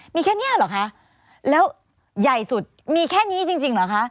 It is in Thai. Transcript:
มีแค่นี้เหรอคะแล้วใหญ่สุดมีแค่นี้จริงเหรอคะ